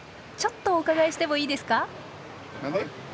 ちょっとお伺いしてもいいですか？